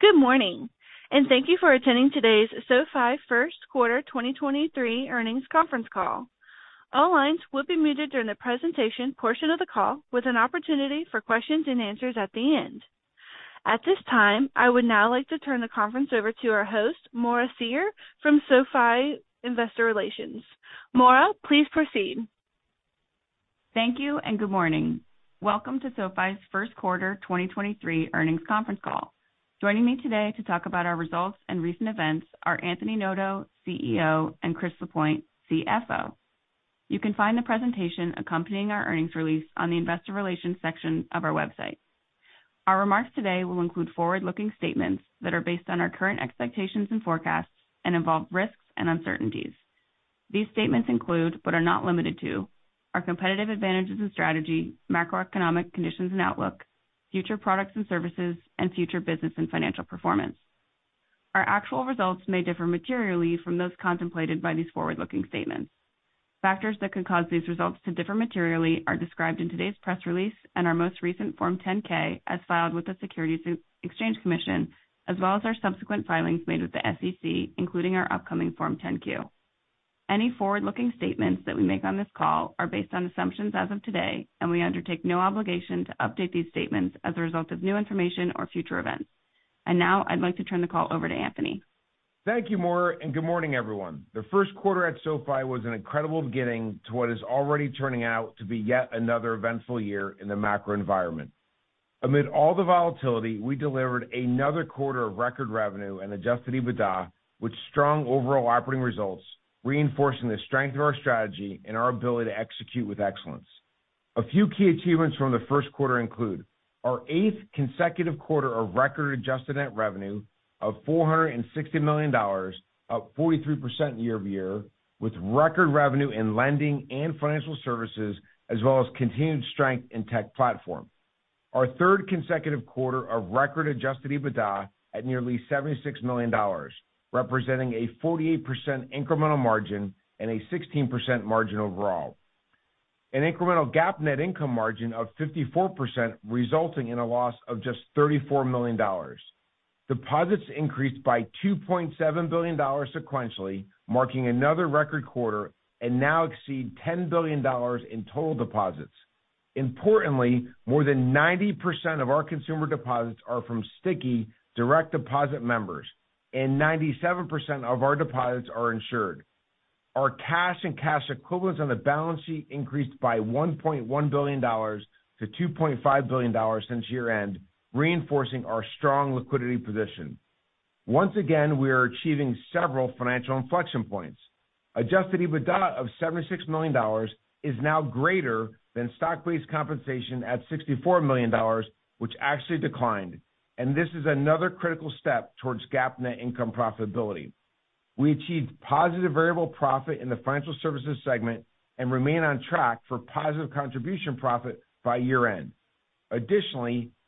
Good morning, and thank you for attending today's SoFi First Quarter 2023 Earnings Conference Call. All lines will be muted during the presentation portion of the call with an opportunity for questions and answers at the end. At this time, I would now like to turn the conference over to our host, Maura Cyr from SoFi Investor Relations. Maura, please proceed. Thank you and good morning. Welcome to SoFi's First Quarter 2023 Earnings Conference Call. Joining me today to talk about our results and recent events are Anthony Noto, CEO, and Chris Lapointe, CFO. You can find the presentation accompanying our earnings release on the investor relations section of our website. Our remarks today will include forward-looking statements that are based on our current expectations and forecasts and involve risks and uncertainties. These statements include, but are not limited to, our competitive advantages and strategy, macroeconomic conditions and outlook, future products and services, and future business and financial performance. Our actual results may differ materially from those contemplated by these forward-looking statements. Factors that could cause these results to differ materially are described in today's press release and our most recent Form 10-K as filed with the Securities and Exchange Commission, as well as our subsequent filings made with the SEC, including our upcoming Form 10-Q. Any forward-looking statements that we make on this call are based on assumptions as of today, and we undertake no obligation to update these statements as a result of new information or future events. Now I'd like to turn the call over to Anthony. Thank you, Maura. Good morning, everyone. The first quarter at SoFi was an incredible beginning to what is already turning out to be yet another eventful year in the macro environment. Amid all the volatility, we delivered another quarter of record revenue and Adjusted EBITDA with strong overall operating results, reinforcing the strength of our strategy and our ability to execute with excellence. A few key achievements from the first quarter include our eighth consecutive quarter of record adjusted net revenue of $460 million, up 43% year-over-year, with record revenue in lending and financial services, as well as continued strength in tech platform. Our third consecutive quarter of record Adjusted EBITDA at nearly $76 million, representing a 48% incremental margin and a 16% margin overall. An incremental GAAP net income margin of 54%, resulting in a loss of just $34 million. Deposits increased by $2.7 billion sequentially, marking another record quarter and now exceed $10 billion in total deposits. Importantly, more than 90% of our consumer deposits are from sticky direct deposit members, and 97% of our deposits are insured. Our cash and cash equivalents on the balance sheet increased by $1.1 billion to $2.5 billion since year-end, reinforcing our strong liquidity position. Once again, we are achieving several financial inflection points. Adjusted EBITDA of $76 million is now greater than stock-based compensation at $64 million, which actually declined. This is another critical step towards GAAP net income profitability. We achieved positive variable profit in the financial services segment and remain on track for positive contribution profit by year-end.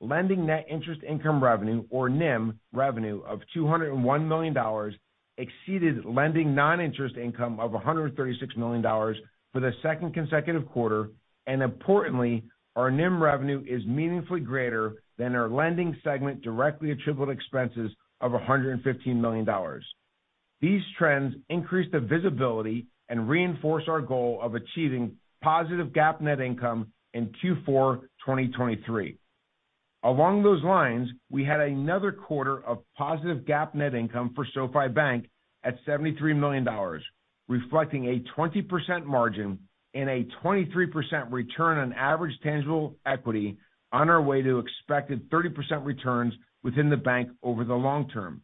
Lending net interest income revenue or NIM revenue of $201 million exceeded lending non-interest income of $136 million for the second consecutive quarter. Importantly, our NIM revenue is meaningfully greater than our lending segment directly attributable expenses of $115 million. These trends increase the visibility and reinforce our goal of achieving positive GAAP net income in Q4 2023. Along those lines, we had another quarter of positive GAAP net income for SoFi Bank at $73 million, reflecting a 20% margin and a 23% return on average tangible equity on our way to expected 30% returns within the bank over the long term.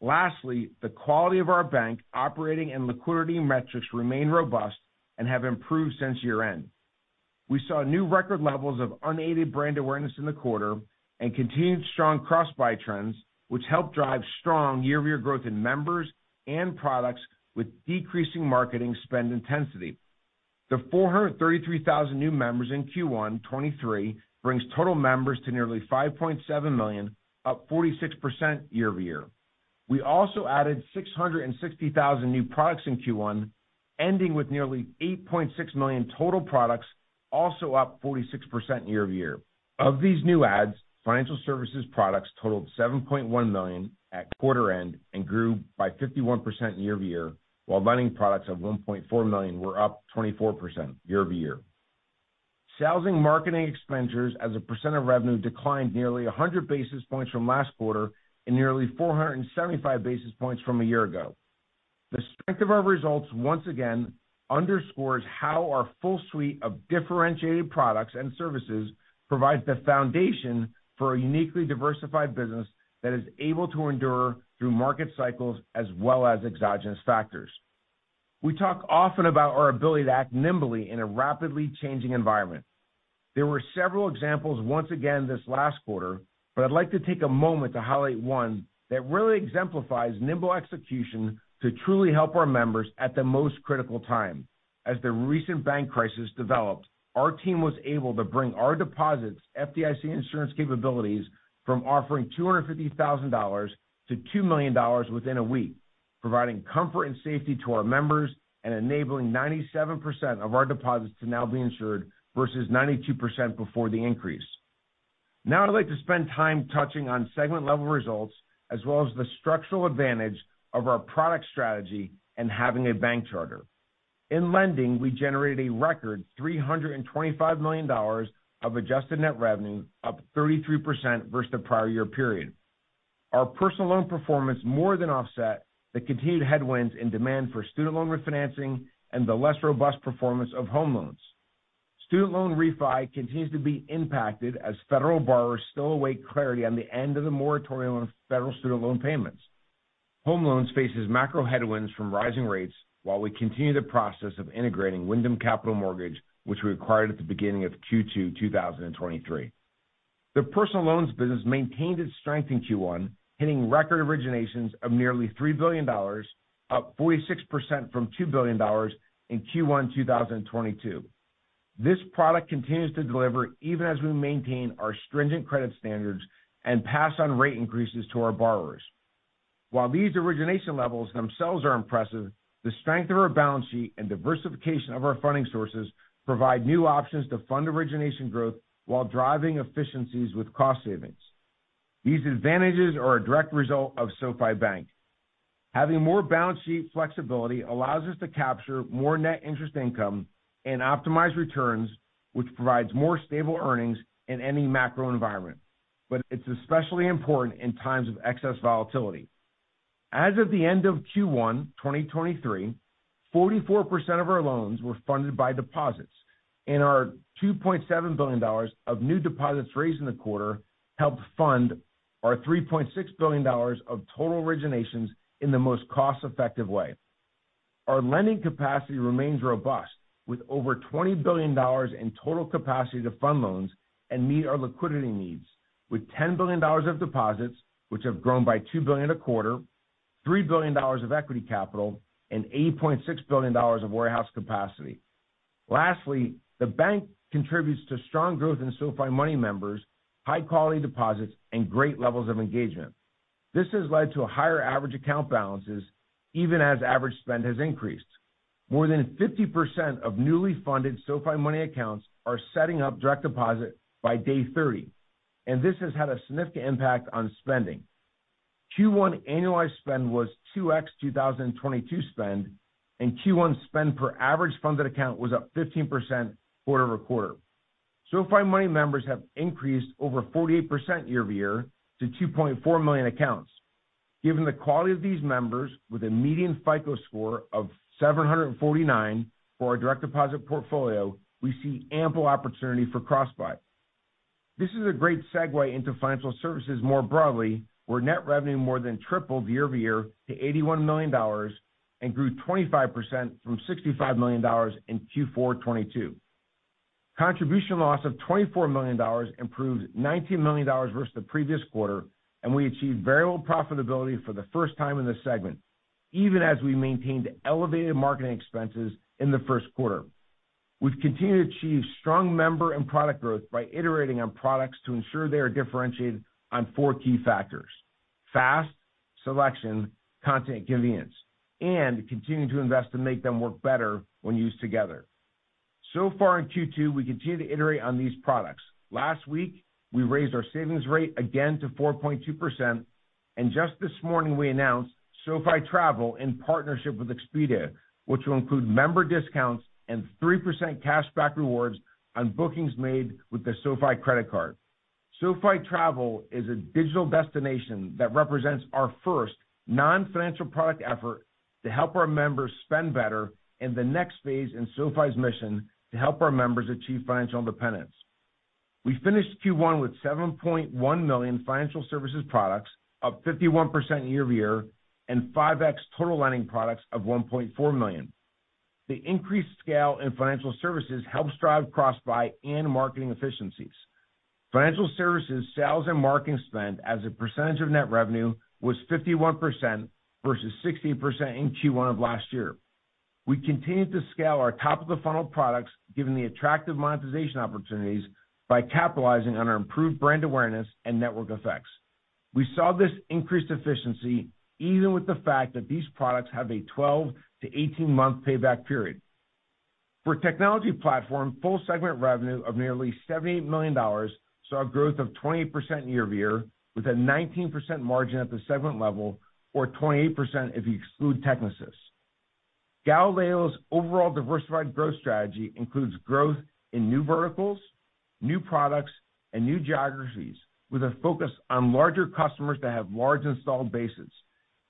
Lastly, the quality of our bank operating and liquidity metrics remain robust and have improved since year-end. We saw new record levels of unaided brand awareness in the quarter and continued strong cross-buy trends, which helped drive strong year-over-year growth in members and products with decreasing marketing spend intensity. The 433,000 new members in Q1 2023 brings total members to nearly 5.7 million, up 46% year-over-year. We also added 660,000 new products in Q1, ending with nearly 8.6 million total products, also up 46% year-over-year. Of these new adds, financial services products totaled 7.1 million at quarter end and grew by 51% year-over-year, while lending products of 1.4 million were up 24% year-over-year. Sales and marketing expenditures as a % of revenue declined nearly 100 basis points from last quarter and nearly 475 basis points from a year ago. The strength of our results once again underscores how our full suite of differentiated products and services provides the foundation for a uniquely diversified business that is able to endure through market cycles as well as exogenous factors. We talk often about our ability to act nimbly in a rapidly changing environment. There were several examples once again this last quarter, but I'd like to take a moment to highlight one that really exemplifies nimble execution to truly help our members at the most critical time. As the recent bank crisis developed, our team was able to bring our deposits FDIC insurance capabilities from offering $250,000 to $2 million within a week. Providing comfort and safety to our members and enabling 97% of our deposits to now be insured versus 92% before the increase. I'd like to spend time touching on segment-level results as well as the structural advantage of our product strategy and having a bank charter. In lending, we generated a record $325 million of adjusted net revenue, up 33% versus the prior year period. Our personal loan performance more than offset the continued headwinds and demand for student loan refinancing and the less robust performance of home loans. Student loan refi continues to be impacted as federal borrowers still await clarity on the end of the moratorium on federal student loan payments. Home loans faces macro headwinds from rising rates while we continue the process of integrating Wyndham Capital Mortgage, which we acquired at the beginning of Q2-2023. The personal loans business maintained its strength in Q1, hitting record originations of nearly $3 billion, up 46% from $2 billion in Q1-2022. This product continues to deliver even as we maintain our stringent credit standards and pass on rate increases to our borrowers. While these origination levels themselves are impressive, the strength of our balance sheet and diversification of our funding sources provide new options to fund origination growth while driving efficiencies with cost savings. These advantages are a direct result of SoFi Bank. Having more balance sheet flexibility allows us to capture more net interest income and optimize returns, which provides more stable earnings in any macro environment. It's especially important in times of excess volatility. As of the end of Q1-2023, 44% of our loans were funded by deposits, and our $2.7 billion of new deposits raised in the quarter helped fund our $3.6 billion of total originations in the most cost-effective way. Our lending capacity remains robust, with over $20 billion in total capacity to fund loans and meet our liquidity needs, with $10 billion of deposits, which have grown by $2 billion a quarter, $3 billion of equity capital, and $8.6 billion of warehouse capacity. Lastly, the bank contributes to strong growth in SoFi Money members, high-quality deposits, and great levels of engagement. This has led to higher average account balances even as average spend has increased. More than 50% of newly funded SoFi Money accounts are setting up direct deposit by day 30, and this has had a significant impact on spending. Q1 annualized spend was 2x 2022 spend, and Q1 spend per average funded account was up 15% quarter-over-quarter. SoFi Money members have increased over 48% year-over-year to 2.4 million accounts. Given the quality of these members with a median FICO score of 749 for our direct deposit portfolio, we see ample opportunity for cross-buy. This is a great segue into financial services more broadly, where net revenue more than tripled year-over-year to $81 million and grew 25% from $65 million in Q4 2022. Contribution loss of $24 million improved $19 million versus the previous quarter. We achieved variable profitability for the first time in this segment, even as we maintained elevated marketing expenses in the first quarter. We've continued to achieve strong member and product growth by iterating on products to ensure they are differentiated on four key factors: fast, selection, content, convenience, and continuing to invest to make them work better when used together. So far in Q2, we continue to iterate on these products. Last week, we raised our savings rate again to 4.2%. Just this morning, we announced SoFi Travel in partnership with Expedia, which will include member discounts and 3% cashback rewards on bookings made with the SoFi Credit Card. SoFi Travel is a digital destination that represents our first non-financial product effort to help our members spend better in the next phase in SoFi's mission to help our members achieve financial independence. We finished Q1 with 7.1 million financial services products, up 51% year-over-year, and 5x total lending products of 1.4 million. The increased scale in financial services helps drive cross-buy and marketing efficiencies. Financial services sales and marketing spend as a percentage of net revenue was 51% versus 60% in Q1 of last year. We continued to scale our top-of-the-funnel products given the attractive monetization opportunities by capitalizing on our improved brand awareness and network effects. We saw this increased efficiency even with the fact that these products have a 12-18-month payback period. For technology platform, full segment revenue of nearly $70 million saw a growth of 20% year-over-year with a 19% margin at the segment level or 28% if you exclude Technisys. Galileo's overall diversified growth strategy includes growth in new verticals, new products, and new geographies with a focus on larger customers that have large installed bases.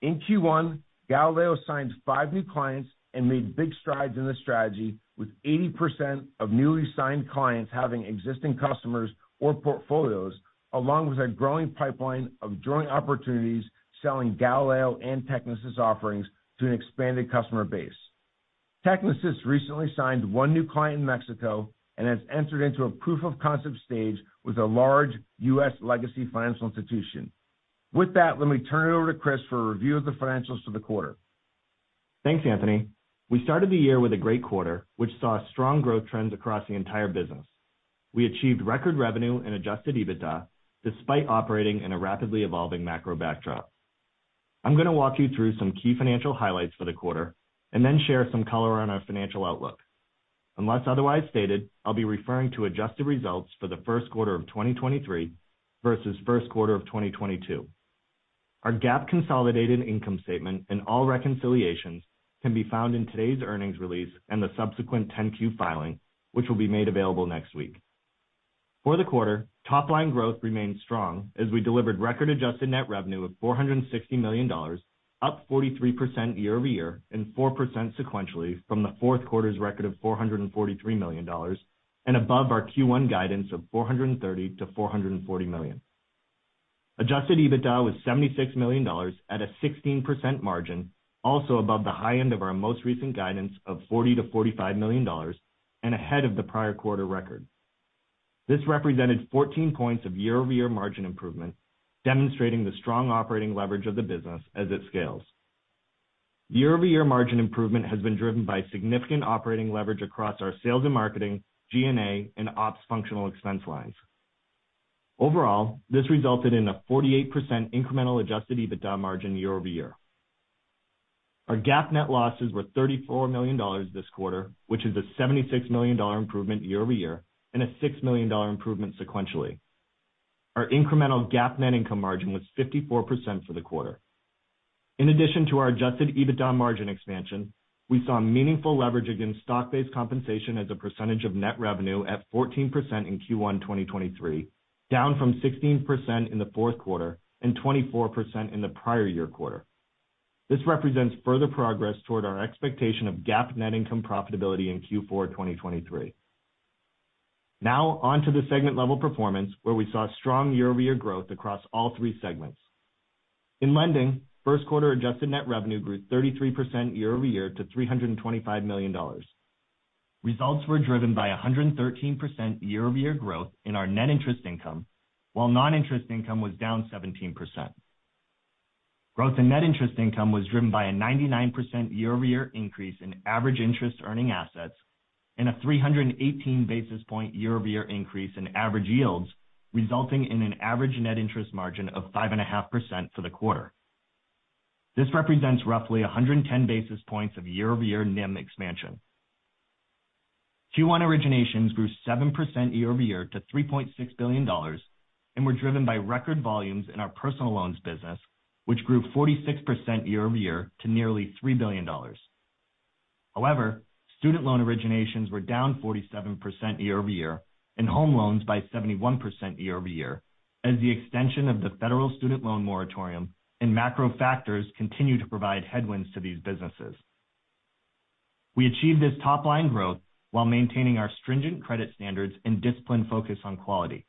In Q1, Galileo signed 5 new clients and made big strides in this strategy, with 80% of newly signed clients having existing customers or portfolios, along with a growing pipeline of joint opportunities selling Galileo and Technisys offerings to an expanded customer base. Technisys recently signed 1 new client in Mexico and has entered into a proof-of-concept stage with a large U.S. legacy financial institution. With that, let me turn it over to Chris for a review of the financials for the quarter. Thanks, Anthony. We started the year with a great quarter, which saw strong growth trends across the entire business. We achieved record revenue and Adjusted EBITDA despite operating in a rapidly evolving macro backdrop. I'm gonna walk you through some key financial highlights for the quarter, and then share some color on our financial outlook. Unless otherwise stated, I'll be referring to adjusted results for the first quarter of 2023 versus first quarter of 2022. Our GAAP consolidated income statement and all reconciliations can be found in today's earnings release and the subsequent 10-Q filing, which will be made available next week. For the quarter, top line growth remained strong as we delivered record Adjusted net revenue of $460 million, up 43% year-over-year and 4% sequentially from the fourth quarter's record of $443 million and above our Q1 guidance of $430 million-$440 million. Adjusted EBITDA was $76 million at a 16% margin, also above the high end of our most recent guidance of $40 million-$45 million and ahead of the prior quarter record. This represented 14 points of year-over-year margin improvement, demonstrating the strong operating leverage of the business as it scales. Year-over-year margin improvement has been driven by significant operating leverage across our sales and marketing, G&A, and ops functional expense lines. Overall, this resulted in a 48% incremental Adjusted EBITDA margin year-over-year. Our GAAP net losses were $34 million this quarter, which is a $76 million improvement year-over-year and a $6 million improvement sequentially. Our incremental GAAP net income margin was 54% for the quarter. In addition to our Adjusted EBITDA margin expansion, we saw meaningful leverage against stock-based compensation as a percentage of net revenue at 14% in Q1-2023, down from 16% in the fourth quarter and 24% in the prior year quarter. This represents further progress toward our expectation of GAAP net income profitability in Q4-2023. Now on to the segment level performance, where we saw strong year-over-year growth across all three segments. In lending, first quarter adjusted net revenue grew 33% year-over-year to $325 million. Results were driven by 113% year-over-year growth in our net interest income, while non-interest income was down 17%. Growth in net interest income was driven by a 99% year-over-year increase in average interest earning assets and a 318 basis point year-over-year increase in average yields, resulting in an average net interest margin of 5.5% for the quarter. This represents roughly 110 basis points of year-over-year NIM expansion. Q1 originations grew 7% year-over-year to $3.6 billion and were driven by record volumes in our personal loans business, which grew 46% year-over-year to nearly $3 billion. Student loan originations were down 47% year-over-year and home loans by 71% year-over-year, as the extension of the federal student loan moratorium and macro factors continue to provide headwinds to these businesses. We achieved this top line growth while maintaining our stringent credit standards and disciplined focus on quality.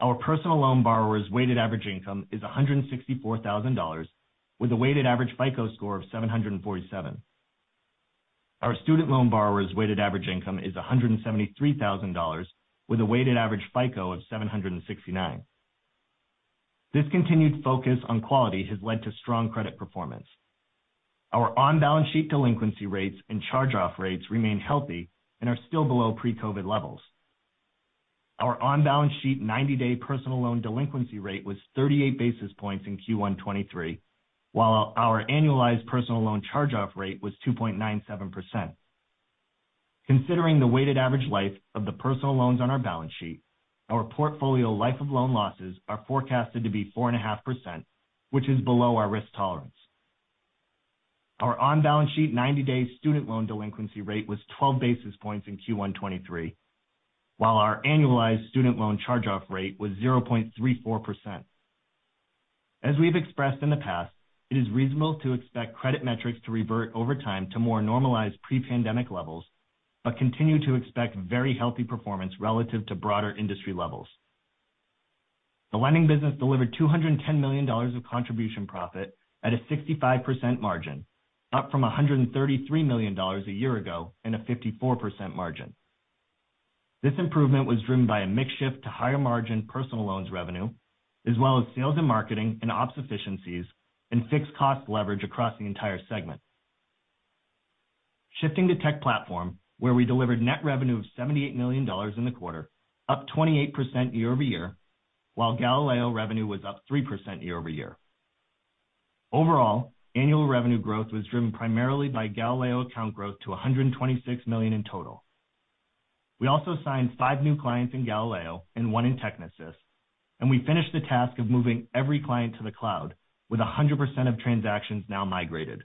Our personal loan borrowers' weighted average income is $164,000 with a weighted average FICO score of 747. Our student loan borrowers' weighted average income is $173,000 with a weighted average FICO of 769. This continued focus on quality has led to strong credit performance. Our on-balance sheet delinquency rates and charge-off rates remain healthy and are still below pre-COVID levels. Our on-balance sheet 90-day personal loan delinquency rate was 38 basis points in Q1-2023, while our annualized personal loan charge-off rate was 2.97%. Considering the weighted average life of the personal loans on our balance sheet, our portfolio life of loan losses are forecasted to be 4.5%, which is below our risk tolerance. Our on-balance sheet 90-day student loan delinquency rate was 12 basis points in Q1-2023, while our annualized student loan charge-off rate was 0.34%. As we've expressed in the past, it is reasonable to expect credit metrics to revert over time to more normalized pre-pandemic levels, but continue to expect very healthy performance relative to broader industry levels. The lending business delivered $210 million of contribution profit at a 65% margin, up from $133 million a year ago and a 54% margin. This improvement was driven by a mix shift to higher-margin personal loans revenue, as well as sales and marketing and Ops efficiencies and fixed cost leverage across the entire segment. To tech platform, where we delivered net revenue of $78 million in the quarter, up 28% year-over-year, while Galileo revenue was up 3% year-over-year. Overall, annual revenue growth was driven primarily by Galileo account growth to 126 million in total. We also signed five new clients in Galileo and one in Technisys. We finished the task of moving every client to the cloud, with 100% of transactions now migrated.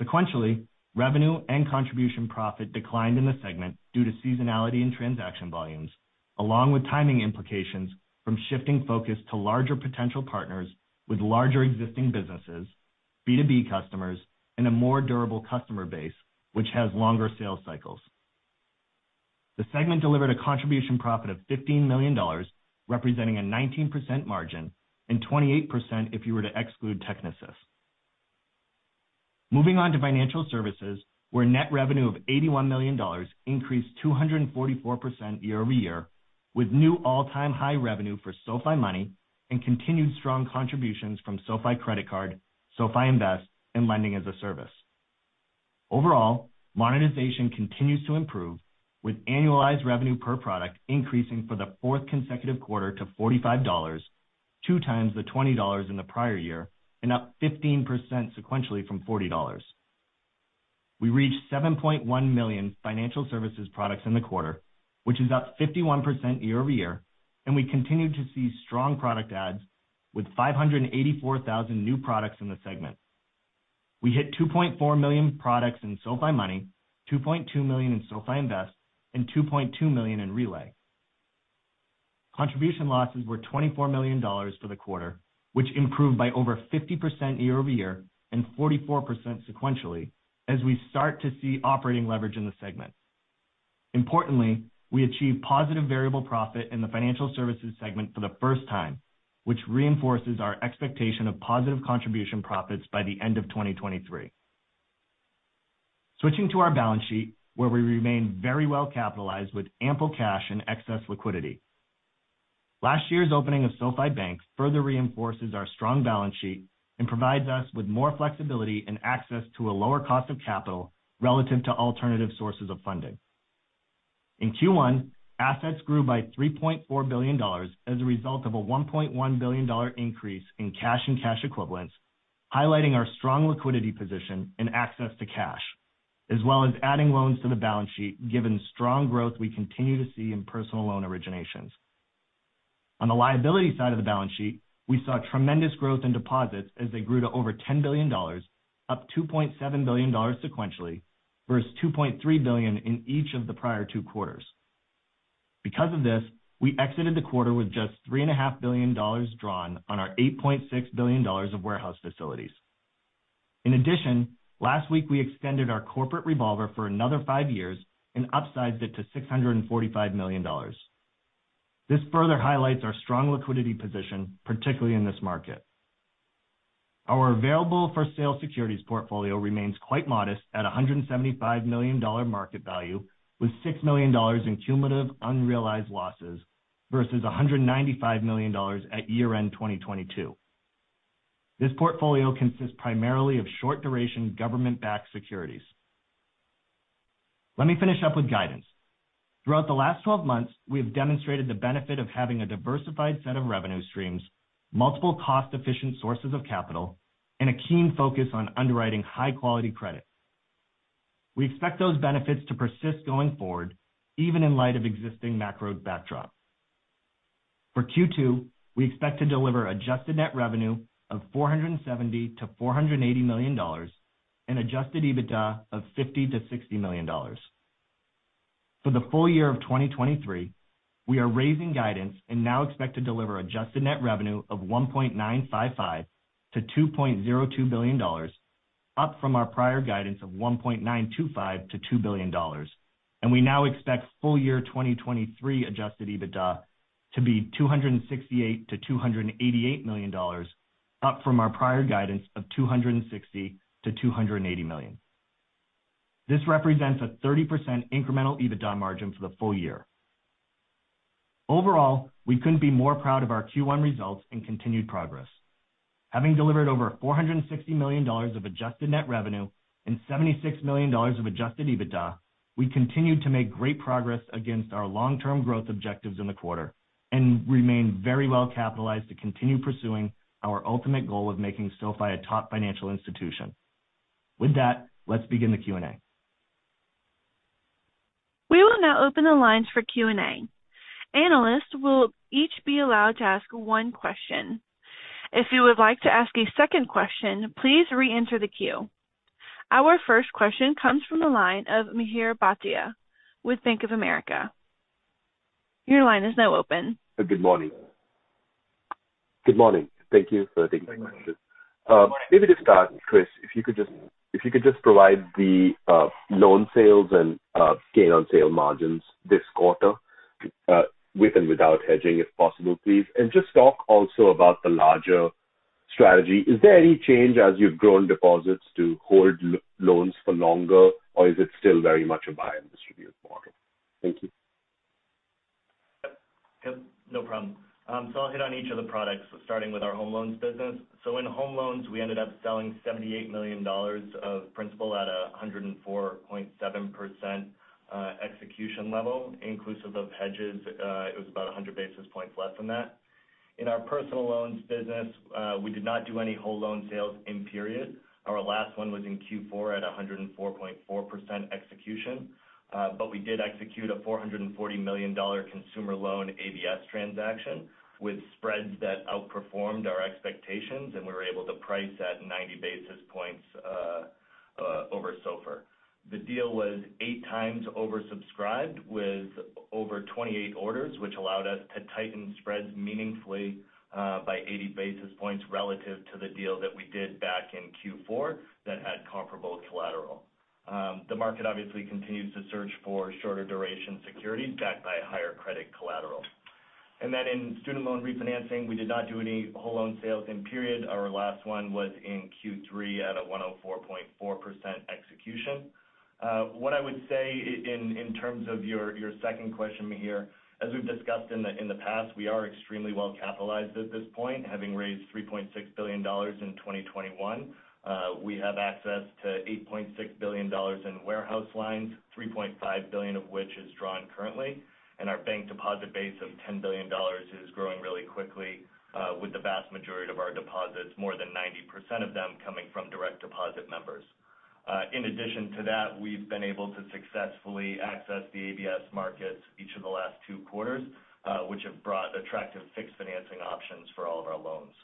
Sequentially, revenue and contribution profit declined in the segment due to seasonality in transaction volumes, along with timing implications from shifting focus to larger potential partners with larger existing businesses, B2B customers, and a more durable customer base which has longer sales cycles. The segment delivered a contribution profit of $15 million, representing a 19% margin, and 28% if you were to exclude Technisys. Moving on to financial services, where net revenue of $81 million increased 244% year-over-year With new all-time high revenue for SoFi Money and continued strong contributions from SoFi Credit Card, SoFi Invest, and Lending-as-a-Service. Overall, monetization continues to improve, with annualized revenue per product increasing for the fourth consecutive quarter to $45, two times the $20 in the prior year, and up 15% sequentially from $40. We reached 7.1 million financial services products in the quarter, which is up 51% year-over-year. We continue to see strong product adds, with 584,000 new products in the segment. We hit 2.4 million products in SoFi Money, 2.2 million in SoFi Invest, and 2.2 million in Relay. Contribution losses were $24 million for the quarter, which improved by over 50% year-over-year and 44% sequentially as we start to see operating leverage in the segment. Importantly, we achieved positive variable profit in the financial services segment for the first time, which reinforces our expectation of positive contribution profits by the end of 2023. Switching to our balance sheet, where we remain very well capitalized with ample cash and excess liquidity. Last year's opening of SoFi Bank further reinforces our strong balance sheet and provides us with more flexibility and access to a lower cost of capital relative to alternative sources of funding. In Q1, assets grew by $3.4 billion as a result of a $1.1 billion increase in cash and cash equivalents, highlighting our strong liquidity position and access to cash, as well as adding loans to the balance sheet given strong growth we continue to see in personal loan originations. On the liability side of the balance sheet, we saw tremendous growth in deposits as they grew to over $10 billion, up $2.7 billion sequentially, versus $2.3 billion in each of the prior two quarters. Because of this, we exited the quarter with just three and a half billion dollars drawn on our $8.6 billion of warehouse facilities. In addition, last week we extended our corporate revolver for another five years and upsized it to $645 million. This further highlights our strong liquidity position, particularly in this market. Our available-for-sale securities portfolio remains quite modest at a $175 million market value, with $6 million in cumulative unrealized losses versus $195 million at year-end 2022. This portfolio consists primarily of short-duration government-backed securities. Let me finish up with guidance. Throughout the last 12 months, we have demonstrated the benefit of having a diversified set of revenue streams, multiple cost-efficient sources of capital, and a keen focus on underwriting high-quality credit. We expect those benefits to persist going forward, even in light of existing macro backdrop. For Q2, we expect to deliver adjusted net revenue of $470 million-$480 million and Adjusted EBITDA of $50 million-$60 million. For the full year of 2023, we are raising guidance and now expect to deliver adjusted net revenue of $1.955 billion-$2.02 billion, up from our prior guidance of $1.925 billion-$2 billion. We now expect full year 2023 Adjusted EBITDA to be $268 million-$288 million, up from our prior guidance of $260 million-$280 million. This represents a 30% incremental Adjusted EBITDA margin for the full year. Overall, we couldn't be more proud of our Q1 results and continued progress. Having delivered over $460 million of adjusted net revenue and $76 million of Adjusted EBITDA, we continue to make great progress against our long-term growth objectives in the quarter and remain very well capitalized to continue pursuing our ultimate goal of making SoFi a top financial institution. With that, let's begin the Q&A. We will now open the lines for Q&A. Analysts will each be allowed to ask one question. If you would like to ask a second question, please re-enter the queue. Our first question comes from the line of Mihir Bhatia with Bank of America. Your line is now open. Good morning. Good morning. Thank you for taking my questions. Maybe to start, Chris, if you could just provide the loan sales and gain-on-sale margins this quarter, with and without hedging, if possible, please. Just talk also about the larger strategy. Is there any change as you've grown deposits to hold loans for longer, or is it still very much a buy and distribute model? Thank you. Yep. Yep, no problem. I'll hit on each of the products, starting with our home loans business. In home loans, we ended up selling $78 million of principal at a 104.7% execution level. Inclusive of hedges, it was about 100 basis points less than that. In our personal loans business, we did not do any whole loan sales in period. Our last one was in Q4 at a 104.4% execution. We did execute a $440 million consumer loan ABS transaction with spreads that outperformed our expectations, and we were able to price at 90 basis points over SOFR. The deal was eight times oversubscribed with over 28 orders, which allowed us to tighten spreads meaningfully, by 80 basis points relative to the deal that we did back in Q4 that had comparable collateral. The market obviously continues to search for shorter duration securities backed by higher credit collateral. Then in student loan refinancing, we did not do any whole loan sales in period. Our last one was in Q3 at a 104.4% execution. What I would say in terms of your second question here, as we've discussed in the past, we are extremely well capitalized at this point, having raised $3.6 billion in 2021. We have access to $8.6 billion in warehouse lines, $3.5 billion of which is drawn currently, and our bank deposit base of $10 billion is growing really quickly, with the vast majority of our deposits, more than 90% of them coming from direct deposit members. In addition to that, we've been able to successfully access the ABS markets each of the last two quarters, which have brought attractive fixed financing options for all of our loans.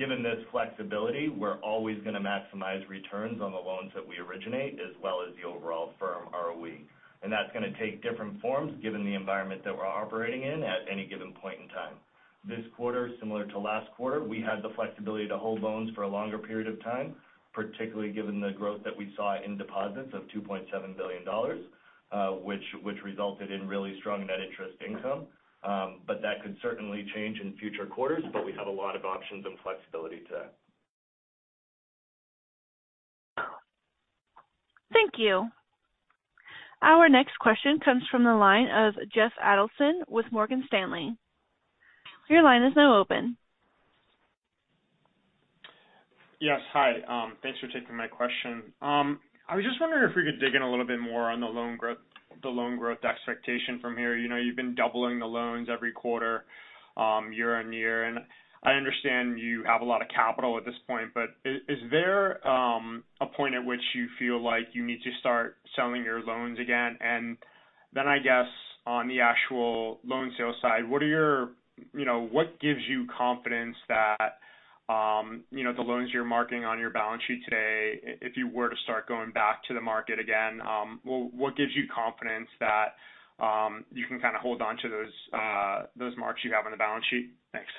Given this flexibility, we're always gonna maximize returns on the loans that we originate, as well as the overall firm ROE. That's gonna take different forms given the environment that we're operating in at any given point in time. This quarter, similar to last quarter, we had the flexibility to hold loans for a longer period of time, particularly given the growth that we saw in deposits of $2.7 billion, which resulted in really strong net interest income. But that could certainly change in future quarters, but we have a lot of options and flexibility to. Thank you. Our next question comes from the line of Jeffrey Adelson with Morgan Stanley. Your line is now open. Yes. Hi. Thanks for taking my question. I was just wondering if we could dig in a little bit more on the loan growth expectation from here. You know, you've been doubling the loans every quarter, year-on-year, and I understand you have a lot of capital at this point. But is there a point at which you feel like you need to start selling your loans again? Then I guess on the actual loan sales side, what gives you confidence that, you know, the loans you're marking on your balance sheet today, if you were to start going back to the market again, what gives you confidence that you can kinda hold onto those marks you have on the balance sheet? Thanks.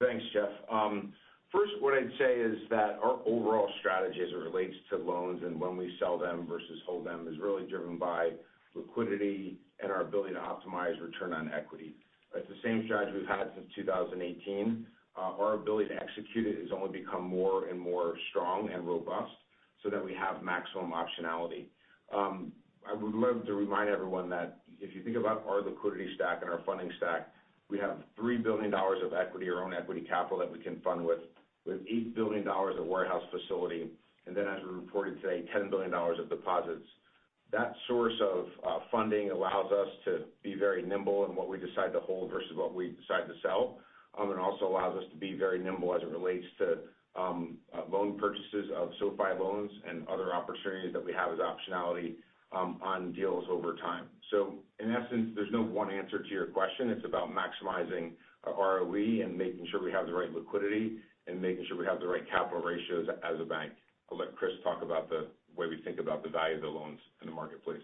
Thanks, Jeff. First, what I'd say is that our overall strategy as it relates to loans and when we sell them versus hold them is really driven by liquidity and our ability to optimize return on equity. It's the same strategy we've had since 2018. Our ability to execute it has only become more and more strong and robust so that we have maximum optionality. I would love to remind everyone that if you think about our liquidity stack and our funding stack, we have $3 billion of equity or own equity capital that we can fund with $8 billion of warehouse facility. As we reported today, $10 billion of deposits. That source of funding allows us to be very nimble in what we decide to hold versus what we decide to sell, and also allows us to be very nimble as it relates to loan purchases of SoFi loans and other opportunities that we have as optionality on deals over time. In essence, there's no one answer to your question. It's about maximizing our ROE and making sure we have the right liquidity and making sure we have the right capital ratios as a bank. I'll let Chris talk about the way we think about the value of the loans in the marketplace.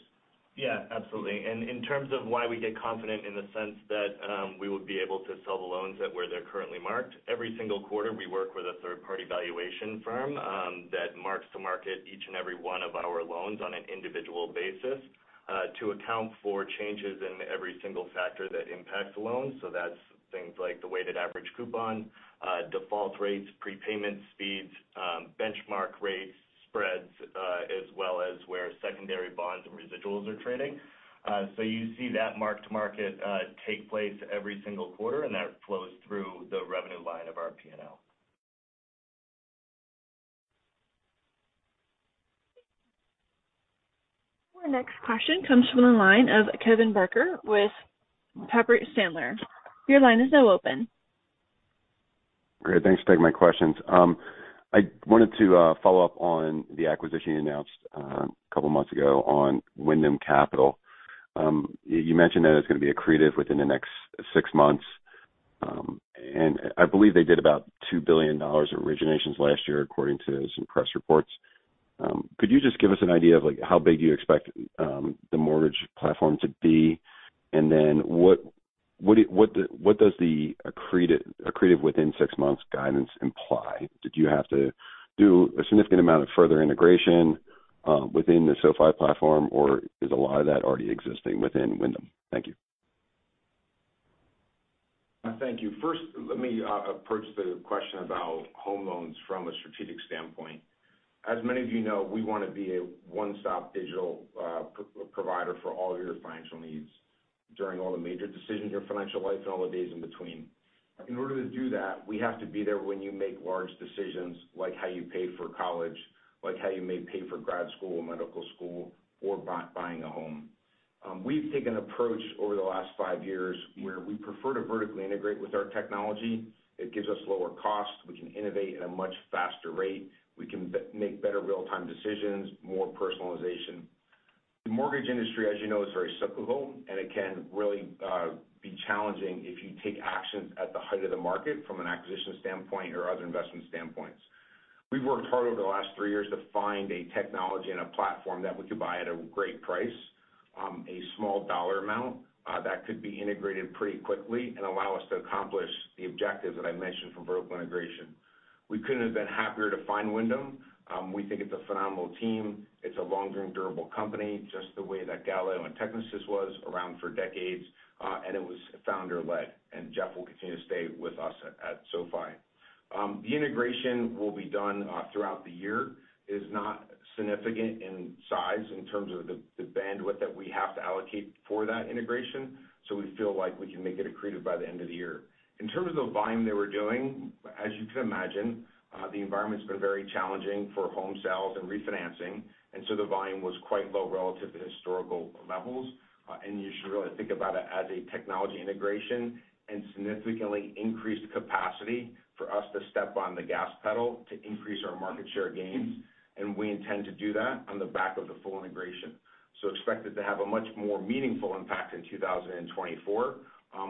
Absolutely. In terms of why we get confident in the sense that we would be able to sell the loans at where they're currently marked. Every single quarter, we work with a third-party valuation firm that marks the market each and every one of our loans on an individual basis to account for changes in every single factor that impacts the loans. That's things like the weighted average coupon, default rates, prepayment speeds, benchmark rates, spreads, as well as where secondary bonds and residuals are trading. You see that marked-to-market take place every single quarter, and that flows through the revenue line of our P&L. Our next question comes from the line of Kevin Barker with Piper Sandler. Your line is now open. Great. Thanks for taking my questions. I wanted to follow up on the acquisition you announced a couple of months ago on Wyndham Capital. You mentioned that it's gonna be accretive within the next six months. I believe they did about $2 billion of originations last year according to some press reports. Could you just give us an idea of like how big you expect the mortgage platform to be? What does the accretive within six months guidance imply? Did you have to do a significant amount of further integration within the SoFi platform, or is a lot of that already existing within Wyndham? Thank you. Thank you. First, let me approach the question about home loans from a strategic standpoint. As many of you know, we want to be a one-stop digital provider for all your financial needs during all the major decisions of your financial life and all the days in between. In order to do that, we have to be there when you make large decisions like how you pay for college, like how you may pay for grad school or medical school or buying a home. We've taken an approach over the last five years where we prefer to vertically integrate with our technology. It gives us lower costs. We can innovate at a much faster rate. We can make better real-time decisions, more personalization. The mortgage industry, as you know, is very cyclical, and it can really be challenging if you take actions at the height of the market from an acquisition standpoint or other investment standpoints. We've worked hard over the last three years to find a technology and a platform that we could buy at a great price, a small dollar amount, that could be integrated pretty quickly and allow us to accomplish the objectives that I mentioned for vertical integration. We couldn't have been happier to find Wyndham. We think it's a phenomenal team. It's a long-standing durable company, just the way that Galileo and Technisys was around for decades, and it was founder-led, and Jeff will continue to stay with us at SoFi. The integration will be done throughout the year. It is not significant in size in terms of the bandwidth that we have to allocate for that integration, so we feel like we can make it accretive by the end of the year. In terms of the volume that we're doing, as you can imagine, the environment's been very challenging for home sales and refinancing. The volume was quite low relative to historical levels. You should really think about it as a technology integration and significantly increased capacity for us to step on the gas pedal to increase our market share gains, and we intend to do that on the back of the full integration. Expect it to have a much more meaningful impact in 2024,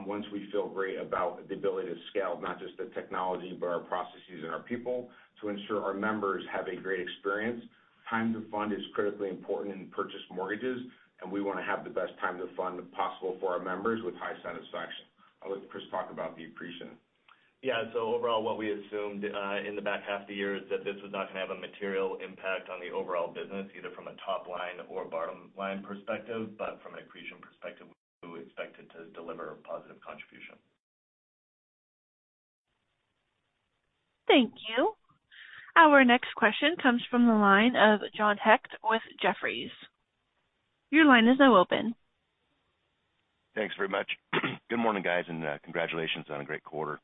once we feel great about the ability to scale not just the technology, but our processes and our people to ensure our members have a great experience. Time to fund is critically important in purchase mortgages, and we wanna have the best time to fund possible for our members with high satisfaction. I'll let Chris talk about the accretion. Yeah. Overall, what we assumed in the back half of the year is that this was not gonna have a material impact on the overall business, either from a top-line or bottom-line perspective. From an accretion perspective, we expect it to deliver positive contribution. Thank you. Our next question comes from the line of John Hecht with Jefferies. Your line is now open. Thanks very much. Good morning, guys, and congratulations on a great quarter.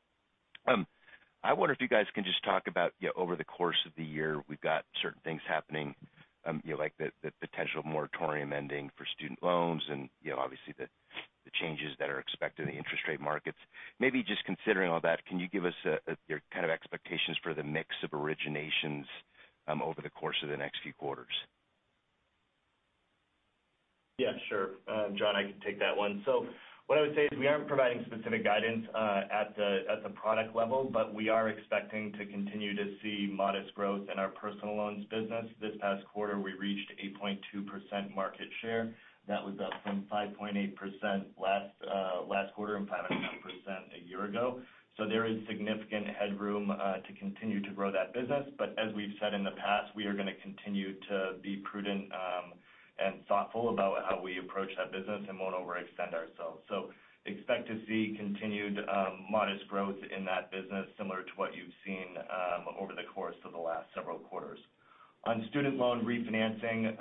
I wonder if you guys can just talk about, you know, over the course of the year, we've got certain things happening, you know, like the potential moratorium ending for student loans and, you know, obviously the changes that are expected in the interest rate markets. Maybe just considering all that, can you give us your kind of expectations for the mix of originations over the course of the next few quarters? Yeah, sure. John, I can take that one. What I would say is we aren't providing specific guidance at the product level, but we are expecting to continue to see modest growth in our personal loans business. This past quarter, we reached 8.2% market share. That was up from 5.8% last quarter and 5.5% a year ago. There is significant headroom to continue to grow that business. As we've said in the past, we are gonna continue to be prudent and thoughtful about how we approach that business and won't overextend ourselves. Expect to see continued modest growth in that business, similar to what you've seen over the course of the last several quarters. On student loan refinancing,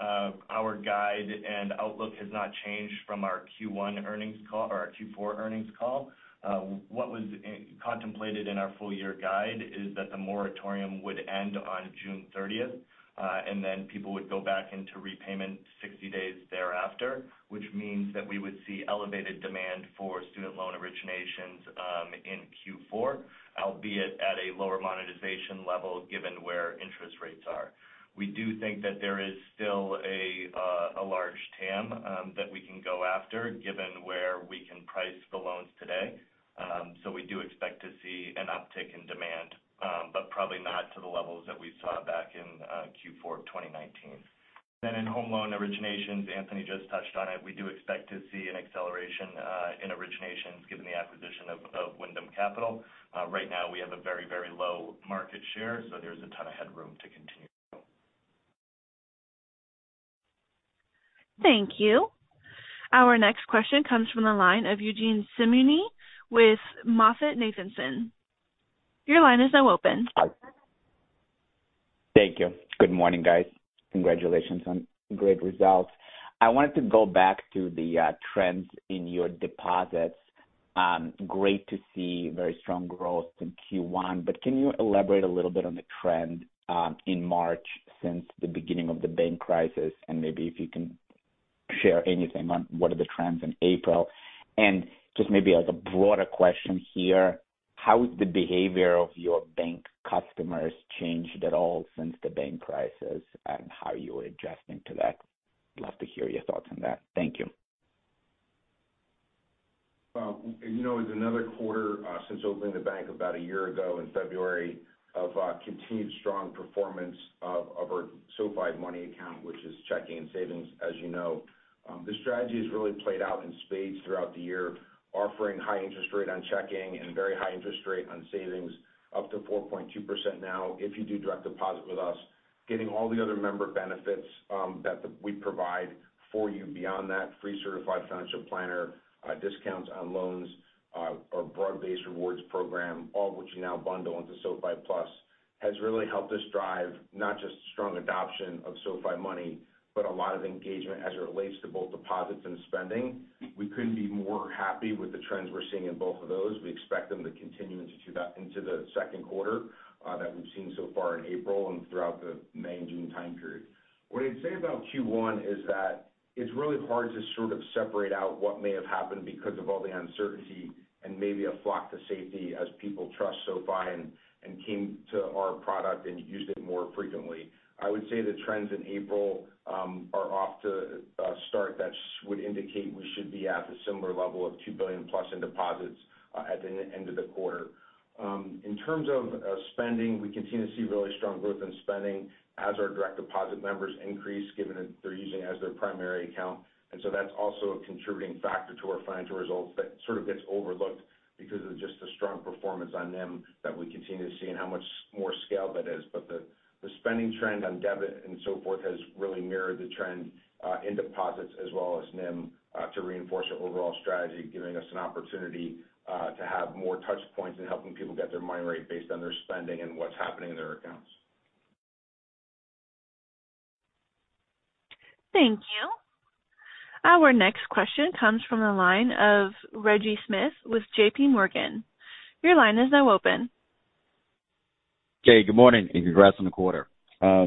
our guide and outlook has not changed from our Q1 earnings call or our Q4 earnings call. What was contemplated in our full year guide is that the moratorium would end on June 30th, and then people would go back into repayment 60 days thereafter, which means that we would see elevated demand for student loan originations in Q4, albeit at a lower monetization level given where interest rates are. We do think that there is still a large TAM that we can go after given where we can price the loans today. So we do expect to see an uptick in demand, but probably not to the levels that we saw back in Q4 of 2019. In home loan originations, Anthony just touched on it. We do expect to see an acceleration in originations given the acquisition of Wyndham Capital. Right now we have a very low market share, so there's a ton of headroom to continue to grow. Thank you. Our next question comes from the line of Eugene Simuni with MoffettNathanson. Your line is now open. Hi. Thank you. Good morning, guys. Congratulations on great results. I wanted to go back to the trends in your deposits. Great to see very strong growth in Q1, but can you elaborate a little bit on the trend in March since the beginning of the bank crisis and maybe if you can share anything on what are the trends in April? Just maybe as a broader question here, how is the behavior of your bank customers changed at all since the bank crisis, and how are you adjusting to that? Love to hear your thoughts on that. Thank you. Well, you know, it's another quarter since opening the bank about a year ago in February of our SoFi Money account, which is checking and savings, as you know. The strategy has really played out in spades throughout the year, offering high interest rate on checking and very high interest rate on savings, up to 4.2% now if you do direct deposit with us. Getting all the other member benefits that we provide for you beyond that, free certified financial planner, discounts on loans, a broad-based rewards program, all of which you now bundle into SoFi Plus, has really helped us drive not just strong adoption of SoFi Money, but a lot of engagement as it relates to both deposits and spending. We couldn't be more happy with the trends we're seeing in both of those. We expect them to continue into the second quarter, that we've seen so far in April and throughout the May and June time period. What I'd say about Q1 is that it's really hard to sort of separate out what may have happened because of all the uncertainty and maybe a flock to safety as people trust SoFi and came to our product and used it more frequently. I would say the trends in April are off to a start that would indicate we should be at a similar level of $2 billion plus in deposits at the end of the quarter. In terms of spending, we continue to see really strong growth in spending as our direct deposit members increase given that they're using it as their primary account. That's also a contributing factor to our financial results that sort of gets overlooked because of just the strong performance on NIM that we continue to see and how much more scale that is. The spending trend on debit and so forth has really mirrored the trend in deposits as well as NIM to reinforce our overall strategy, giving us an opportunity to have more touch points in helping people get their money right based on their spending and what's happening in their accounts. Thank you. Our next question comes from the line of Reggie Smith with JPMorgan. Your line is now open. Okay, good morning, congrats on the quarter. I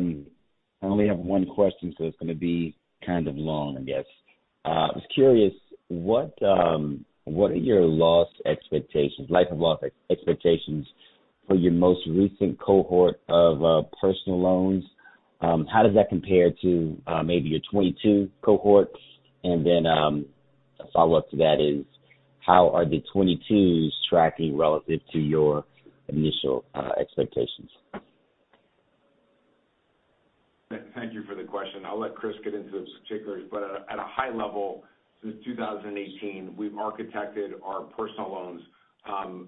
only have one question, so it's gonna be kind of long, I guess. I was curious what are your life of loss expectations for your most recent cohort of personal loans? How does that compare to maybe your 2022 cohorts? Then, a follow-up to that is, how are the 2022s tracking relative to your initial expectations? Thank you for the question. I'll let Chris get into the particulars. At a high level, since 2018, we've architected our personal loans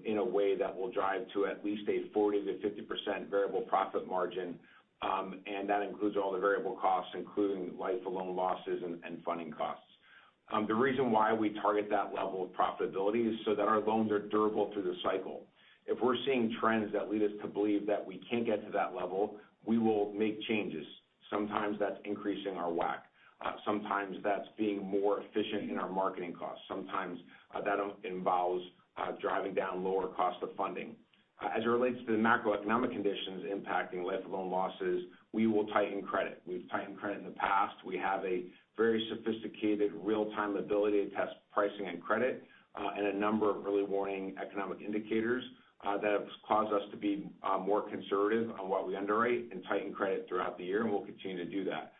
in a way that will drive to at least a 40%-50% variable profit margin, and that includes all the variable costs, including life of loan losses and funding costs. The reason why we target that level of profitability is so that our loans are durable through the cycle. If we're seeing trends that lead us to believe that we can't get to that level, we will make changes. Sometimes that's increasing our WAC. Sometimes that's being more efficient in our marketing costs. Sometimes that involves driving down lower cost of funding. As it relates to the macroeconomic conditions impacting life of loan losses, we will tighten credit. We've tightened credit in the past. We have a very sophisticated real-time ability to test pricing and credit, and a number of early warning economic indicators that have caused us to be more conservative on what we underwrite and tighten credit throughout the year, and we'll continue to do that.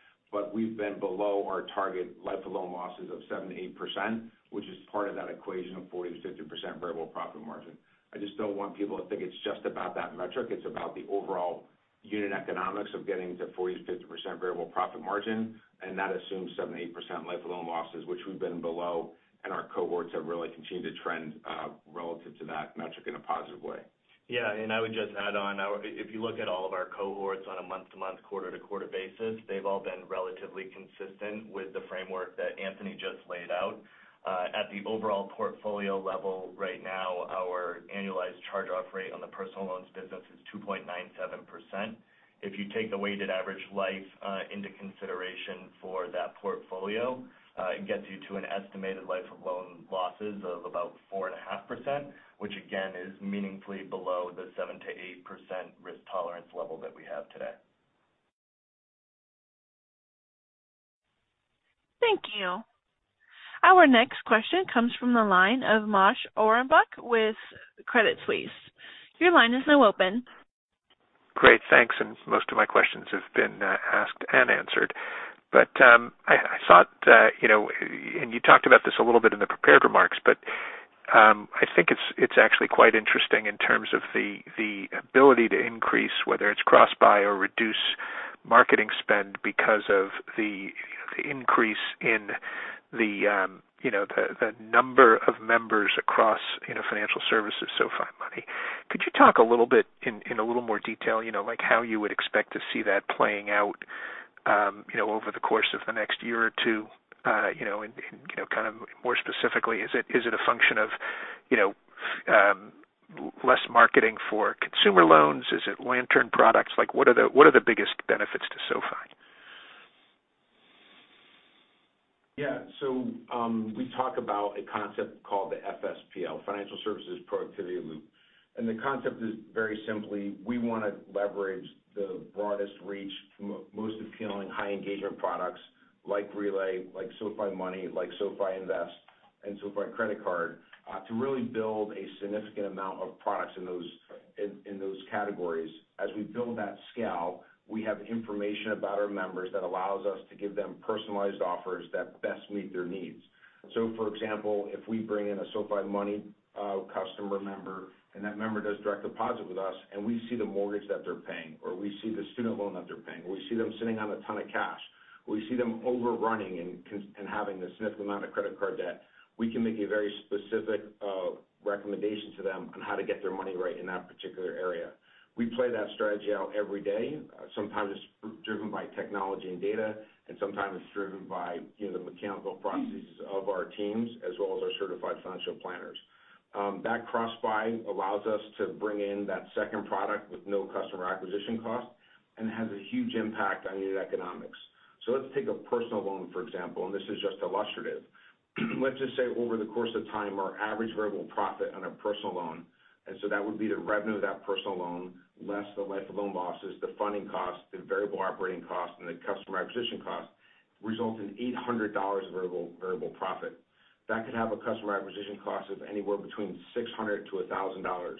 We've been below our target life of loan losses of 7%-8%, which is part of that equation of 40%-50% variable profit margin. I just don't want people to think it's just about that metric. It's about the overall unit economics of getting to 40%-50% variable profit margin, and that assumes 7%-8% life of loan losses, which we've been below, and our cohorts have really continued to trend relative to that metric in a positive way. Yeah, I would just add on. If you look at all of our cohorts on a month-to-month, quarter-to-quarter basis, they've all been relatively consistent with the framework that Anthony just laid out. At the overall portfolio level right now, our annualized charge-off rate on the personal loans business is 2.97%. If you take the weighted average life into consideration for that portfolio, it gets you to an estimated life of loan losses of about 4.5%, which again is meaningfully below the 7%-8% risk tolerance level that we have today. Thank you. Our next question comes from the line of Moshe Orenbuch with Credit Suisse. Your line is now open. Great, thanks, and most of my questions have been asked and answered. I thought, you know, and you talked about this a little bit in the prepared remarks, but I think it's actually quite interesting in terms of the ability to increase, whether it's cross-buy or reduce marketing spend because of the increase in the, you know, the number of members across, you know, financial services, SoFi Money. Could you talk a little bit in a little more detail, you know, like how you would expect to see that playing out, you know, over the course of the next year or two, you know, and, you know, kind of more specifically, is it a function of, you know, less marketing for consumer loans? Is it Lantern products? Like what are the biggest benefits to SoFi? Yeah. We talk about a concept called the FSPL, Financial Services Productivity Loop. The concept is very simply, we wanna leverage the broadest reach, most appealing high engagement products like Relay, like SoFi Money, like SoFi Invest, and SoFi Credit Card, to really build a significant amount of products in those categories. As we build that scale, we have information about our members that allows us to give them personalized offers that best meet their needs. For example, if we bring in a SoFi Money, customer member and that member does direct deposit with us, and we see the mortgage that they're paying, or we see the student loan that they're paying, or we see them sitting on a ton of cash, or we see them overrunning and having a significant amount of credit card debt, we can make a very specific, recommendation to them on how to get their money right in that particular area. We play that strategy out every day. Sometimes it's driven by technology and data, and sometimes it's driven by, you know, the mechanical processes of our teams as well as our certified financial planners. That cross-buy allows us to bring in that second product with no customer acquisition cost and has a huge impact on unit economics. Let's take a personal loan, for example, and this is just illustrative. Let's just say over the course of time, our average variable profit on a personal loan, and so that would be the revenue of that personal loan, less the life of loan losses, the funding cost, the variable operating cost, and the customer acquisition cost, results in $800 of variable profit. That could have a customer acquisition cost of anywhere between $600-$1,000.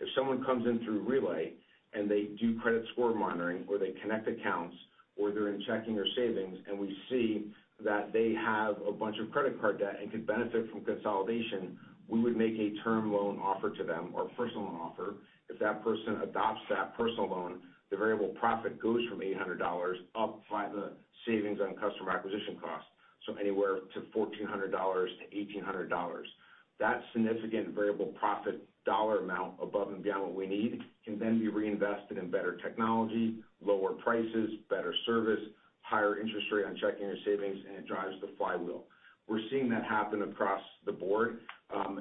If someone comes in through Relay and they do credit score monitoring, or they connect accounts, or they're in checking or savings, and we see that they have a bunch of credit card debt and could benefit from consolidation, we would make a term loan offer to them or personal loan offer. If that person adopts that personal loan, the variable profit goes from $800 up by the savings on customer acquisition costs, anywhere to $1,400-$1,800. That significant variable profit dollar amount above and beyond what we need can then be reinvested in better technology, lower prices, better service, higher interest rate on checking and savings, and it drives the flywheel. We're seeing that happen across the board.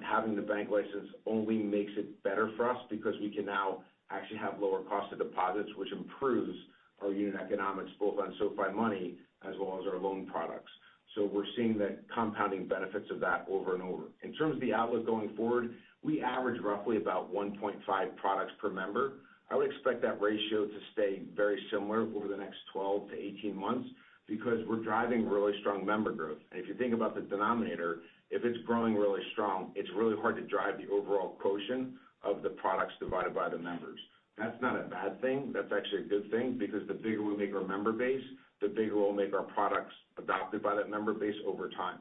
Having the bank license only makes it better for us because we can now actually have lower cost of deposits, which improves our unit economics both on SoFi Money as well as our loan products. We're seeing the compounding benefits of that over and over. In terms of the outlook going forward, we average roughly about 1.5 products per member. I would expect that ratio to stay very similar over the next 12 to 18 months because we're driving really strong member growth. If you think about the denominator, if it's growing really strong, it's really hard to drive the overall quotient of the products divided by the members. That's not a bad thing. That's actually a good thing because the bigger we make our member base, the bigger we'll make our products adopted by that member base over time.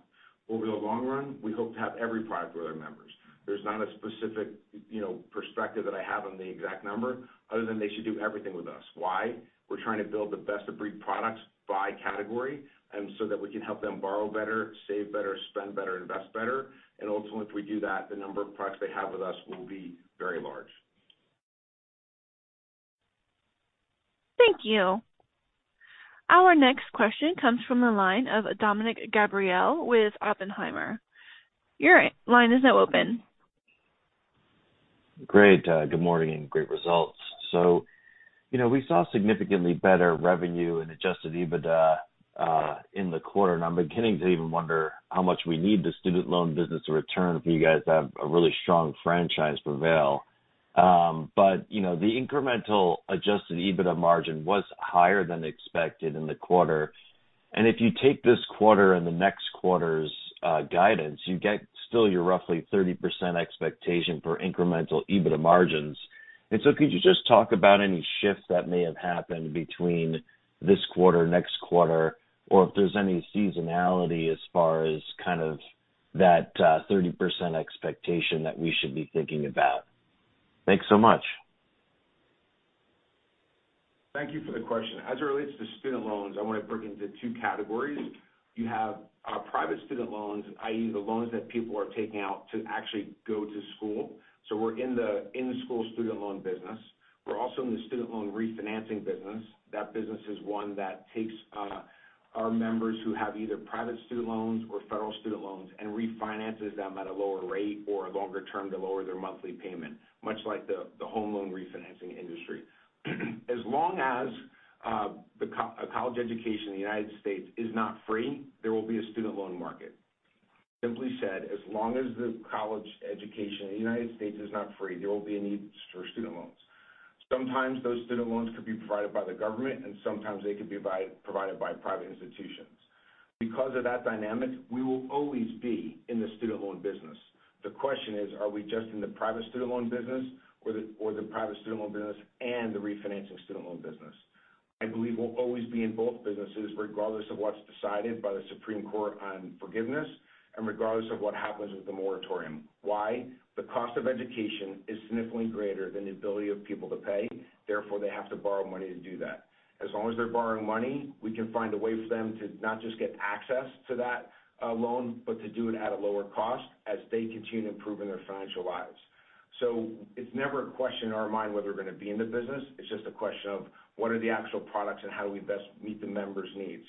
Over the long run, we hope to have every product for our members. There's not a specific, you know, perspective that I have on the exact number other than they should do everything with us. Why? We're trying to build the best-of-breed products by category that we can help them borrow better, save better, spend better, invest better. Ultimately, if we do that, the number of products they have with us will be very large. Thank you. Our next question comes from the line of Dominick Gabriele with Oppenheimer. Your line is now open. Great. Good morning, and great results. You know, we saw significantly better revenue and Adjusted EBITDA in the quarter, and I'm beginning to even wonder how much we need the student loan business to return if you guys have a really strong franchise prevail. You know, the incremental Adjusted EBITDA margin was higher than expected in the quarter. If you take this quarter and the next quarter's guidance, you get still your roughly 30% expectation for incremental Adjusted EBITDA margins. Could you just talk about any shifts that may have happened between this quarter, next quarter, or if there's any seasonality as far as kind of that 30% expectation that we should be thinking about? Thanks so much. Thank you for the question. As it relates to student loans, I want to break into two categories. You have private student loans, i.e., the loans that people are taking out to actually go to school. So we're in the in-school student loan business. We're also in the student loan refinancing business. That business is one that takes our members who have either private student loans or federal student loans and refinances them at a lower rate or a longer term to lower their monthly payment, much like the home loan refinancing industry. As long as a college education in the United States is not free, there will be a student loan market. Simply said, as long as the college education in the United States is not free, there will be a need for student loans. Sometimes those student loans could be provided by the government, sometimes they could be provided by private institutions. Because of that dynamic, we will always be in the student loan business. The question is, are we just in the private student loan business or the private student loan business and the refinancing student loan business? I believe we'll always be in both businesses regardless of what's decided by the Supreme Court on forgiveness and regardless of what happens with the moratorium. Why? The cost of education is significantly greater than the ability of people to pay, therefore, they have to borrow money to do that. As long as they're borrowing money, we can find a way for them to not just get access to that loan, but to do it at a lower cost as they continue improving their financial lives. It's never a question in our mind whether we're going to be in the business. It's just a question of what are the actual products and how do we best meet the members' needs.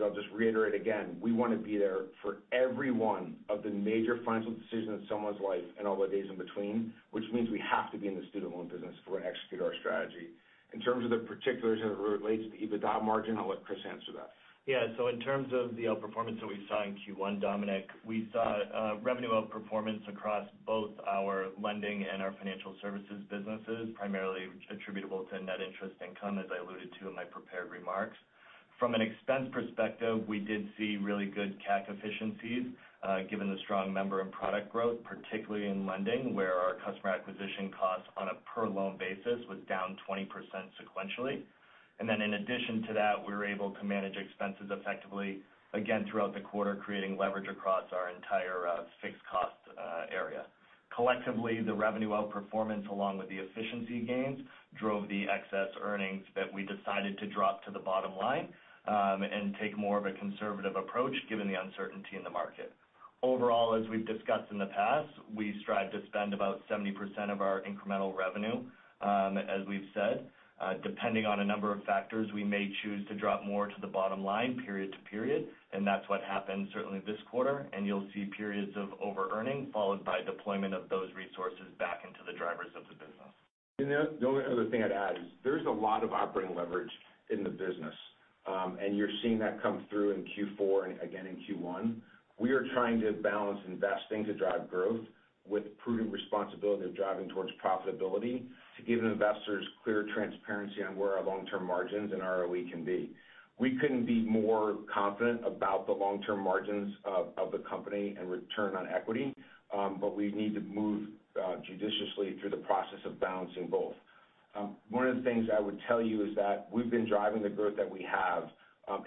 I'll just reiterate again, we want to be there for every one of the major financial decisions in someone's life and all the days in between, which means we have to be in the student loan business if we're going to execute our strategy. In terms of the particulars as it relates to the EBITDA margin, I'll let Chris answer that. In terms of the outperformance that we saw in Q1, Dominick, we saw revenue outperformance across both our lending and our financial services businesses, primarily attributable to net interest income, as I alluded to in my prepared remarks. From an expense perspective, we did see really good CAC efficiencies, given the strong member and product growth, particularly in lending, where our customer acquisition costs on a per loan basis was down 20% sequentially. In addition to that, we were able to manage expenses effectively, again throughout the quarter, creating leverage across our entire fixed cost area. Collectively, the revenue outperformance along with the efficiency gains drove the excess earnings that we decided to drop to the bottom line and take more of a conservative approach given the uncertainty in the market. Overall, as we've discussed in the past, we strive to spend about 70% of our incremental revenue, as we've said. Depending on a number of factors, we may choose to drop more to the bottom line period to period, and that's what happened certainly this quarter. You'll see periods of over-earning followed by deployment of those resources back into the drivers of the business. The only other thing I'd add is there's a lot of operating leverage in the business, and you're seeing that come through in Q4 and again in Q1. We are trying to balance investing to drive growth with prudent responsibility of driving towards profitability to give investors clear transparency on where our long-term margins and ROE can be. We couldn't be more confident about the long-term margins of the company and return on equity, but we need to move judiciously through the process of balancing both. One of the things I would tell you is that we've been driving the growth that we have,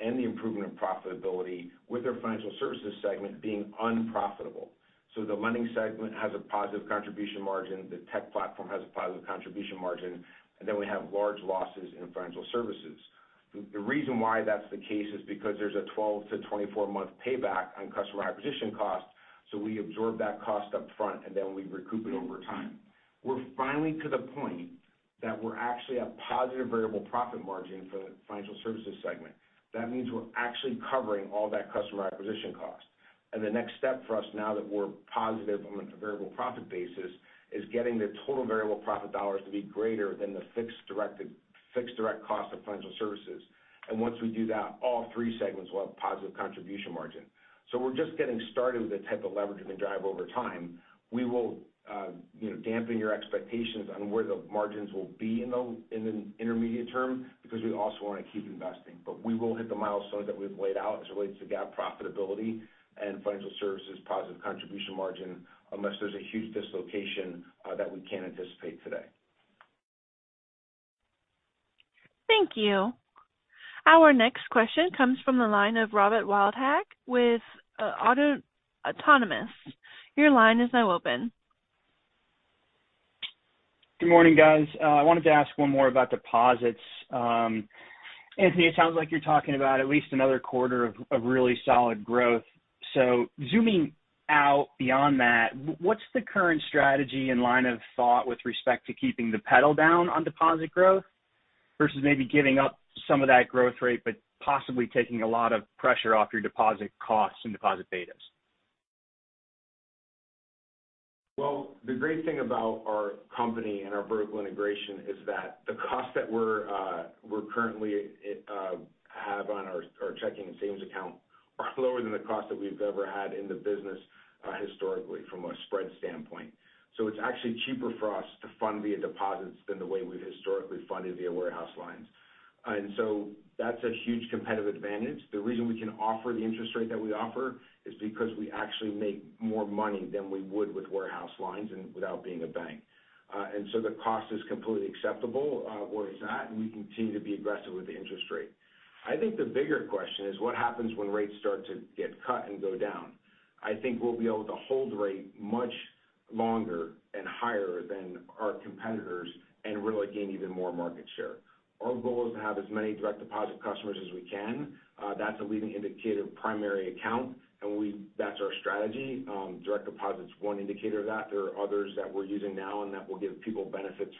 and the improvement of profitability with our financial services segment being unprofitable. The lending segment has a positive contribution margin, the tech platform has a positive contribution margin, and then we have large losses in financial services. The reason why that's the case is because there's a 12-24 month payback on customer acquisition costs, so we absorb that cost up front and then we recoup it over time. We're finally to the point that we're actually a positive variable profit margin for the financial services segment. That means we're actually covering all that customer acquisition costs. The next step for us now that we're positive on a variable profit basis, is getting the total variable profit dollars to be greater than the fixed direct cost of financial services. Once we do that, all three segments will have positive contribution margin. We're just getting started with the type of leverage we can drive over time. We will, you know, dampen your expectations on where the margins will be in the, in the intermediate term because we also want to keep investing. We will hit the milestone that we've laid out as it relates to GAAP profitability and financial services positive contribution margin, unless there's a huge dislocation that we can't anticipate today. Thank you. Our next question comes from the line of Robert Wildhack with Autonomous. Your line is now open. Good morning, guys. I wanted to ask one more about deposits. Anthony, it sounds like you're talking about at least another quarter of really solid growth. Zooming out beyond that, what's the current strategy in line of thought with respect to keeping the pedal down on deposit growth versus maybe giving up some of that growth rate, but possibly taking a lot of pressure off your deposit costs and deposit betas? The great thing about our company and our vertical integration is that the cost that we're currently have on our checking and savings account are lower than the cost that we've ever had in the business historically from a spread standpoint. It's actually cheaper for us to fund via deposits than the way we've historically funded via warehouse lines. That's a huge competitive advantage. The reason we can offer the interest rate that we offer is because we actually make more money than we would with warehouse lines and without being a bank. The cost is completely acceptable where it's at, and we continue to be aggressive with the interest rate. I think the bigger question is what happens when rates start to get cut and go down. I think we'll be able to hold the rate much longer and higher than our competitors and really gain even more market share. Our goal is to have as many direct deposit customers as we can. That's a leading indicator of primary account, and that's our strategy. Direct deposit is one indicator of that. There are others that we're using now and that will give people benefits,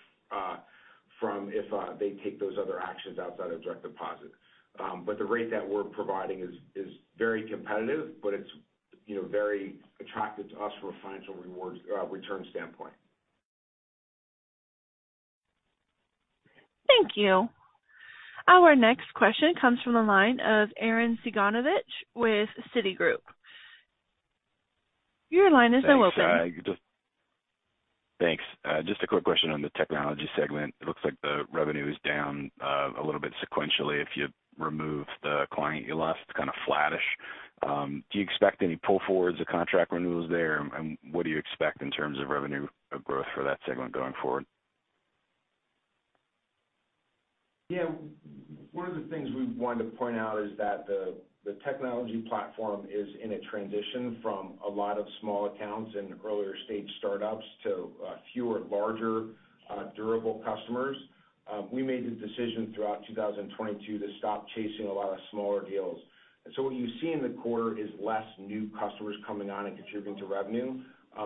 from if, they take those other actions outside of direct deposit. But the rate that we're providing is very competitive, but it's, you know, very attractive to us from a financial rewards, return standpoint. Thank you. Our next question comes from the line of Arren Cyganovich with Citigroup. Your line is now open. Thanks. Just a quick question on the technology segment. It looks like the revenue is down, a little bit sequentially. If you remove the client you lost, kind of flattish. Do you expect any pull forwards or contract renewals there? What do you expect in terms of revenue of growth for that segment going forward? Yeah. One of the things we wanted to point out is that the technology platform is in a transition from a lot of small accounts and earlier-stage startups to a fewer larger, durable customers. We made the decision throughout 2022 to stop chasing a lot of smaller deals. What you see in the quarter is less new customers coming on and contributing to revenue,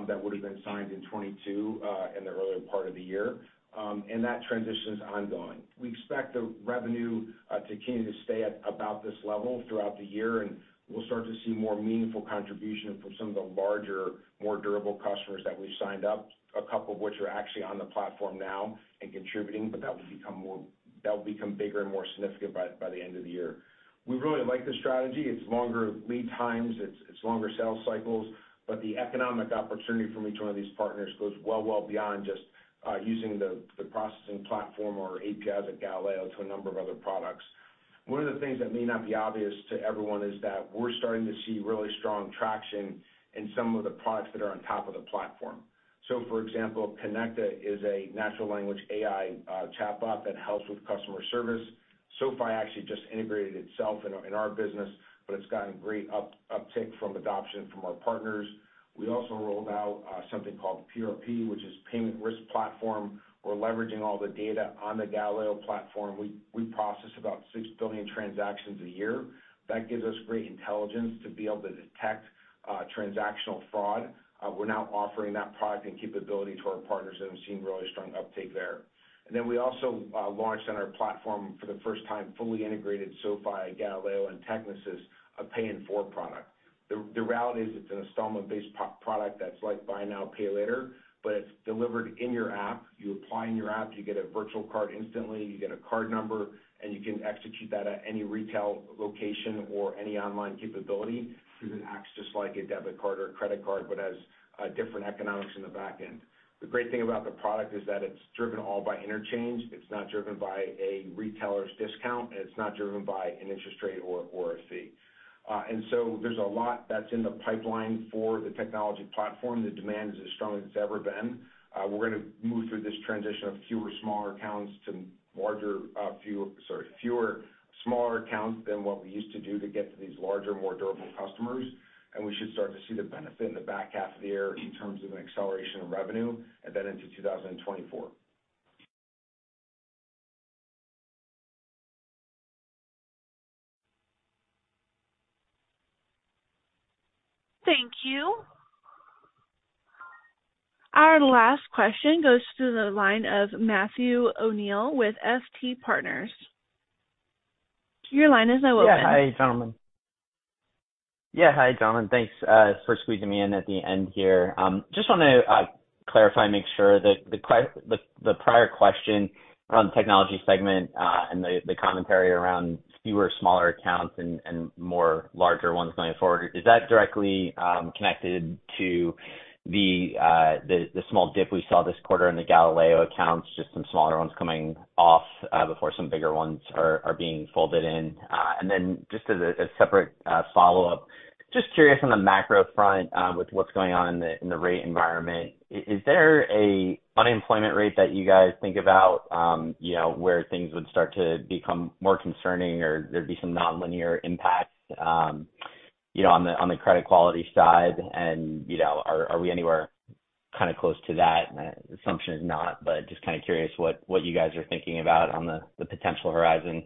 that would have been signed in 22, in the earlier part of the year. That transition is ongoing. We expect the revenue to continue to stay at about this level throughout the year. We'll start to see more meaningful contribution from some of the larger, more durable customers that we've signed up, a couple of which are actually on the platform now and contributing. That will become bigger and more significant by the end of the year. We really like this strategy. It's longer lead times. It's longer sales cycles. The economic opportunity from each one of these partners goes well, well beyond just using the processing platform or APIs at Galileo to a number of other products. One of the things that may not be obvious to everyone is that we're starting to see really strong traction in some of the products that are on top of the platform. For example, Konecta is a natural language AI chatbot that helps with customer service. SoFi actually just integrated itself in our business, but it's gotten great uptake from adoption from our partners. We also rolled out something called PRP, which is Payment Risk Platform. We're leveraging all the data on the Galileo platform. We process about 6 billion transactions a year. That gives us great intelligence to be able to detect transactional fraud. We're now offering that product and capability to our partners, and we've seen really strong uptake there. We also launched on our platform for the first time, fully integrated SoFi, Galileo, and Technisys, a Pay in Four product. The reality is it's an installment-based product that's like buy now, pay later, but it's delivered in your app. You apply in your app, you get a virtual card instantly, you get a card number, and you can execute that at any retail location or any online capability. It acts just like a debit card or a credit card, but has different economics in the back end. The great thing about the product is that it's driven all by interchange. It's not driven by a retailer's discount. It's not driven by an interest rate or a fee. There's a lot that's in the pipeline for the technology platform. The demand is as strong as it's ever been. We're gonna move through this transition of fewer smaller accounts to larger, Sorry, fewer smaller accounts than what we used to do to get to these larger, more durable customers. We should start to see the benefit in the back half of the year in terms of an acceleration of revenue and then into 2024. Thank you. Our last question goes to the line of Matthew O'Neill with FT Partners. Your line is now open. Hi, gentlemen. Thanks for squeezing me in at the end here. Just wanna clarify, make sure that the prior question around the technology segment and the commentary around fewer smaller accounts and more larger ones going forward, is that directly connected to the small dip we saw this quarter in the Galileo accounts, just some smaller ones coming off before some bigger ones are being folded in? Just as a separate follow-up, just curious on the macro front with what's going on in the rate environment? Is there a unemployment rate that you guys think about, you know, where things would start to become more concerning or there'd be some nonlinear impacts, you know, on the credit quality side? You know, are we anywhere kinda close to that? My assumption is not, but just kinda curious what you guys are thinking about on the potential horizon.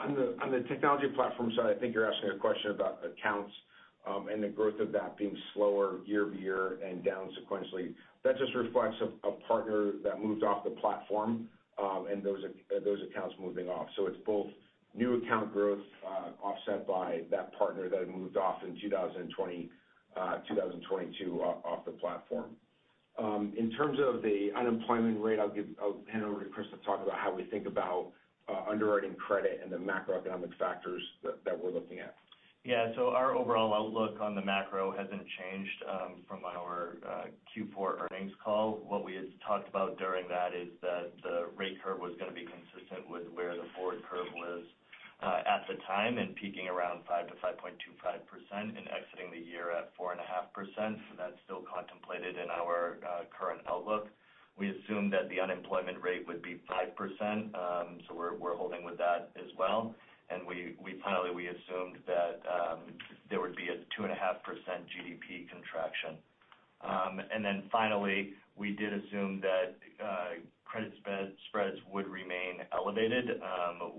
On the, on the technology platform side, I think you're asking a question about accounts, and the growth of that being slower year-over-year and down sequentially. That just reflects a partner that moved off the platform, and those accounts moving off. It's both new account growth, offset by that partner that had moved off in 2020, 2022 off the platform. In terms of the unemployment rate, I'll hand over to Chris to talk about how we think about underwriting credit and the macroeconomic factors that we're looking at. Yeah. Our overall outlook on the macro hasn't changed from our Q4 earnings call. What we had talked about during that is that the rate curve was gonna be consistent with where the forward curve was at the time and peaking around 5%-5.25% and exiting the year at 4.5%. That's still contemplated in our current outlook. We assume that the unemployment rate would be 5%, we're holding with that as well. We assumed that there would be a 2.5% GDP contraction. Finally, we did assume that credit spreads would remain elevated.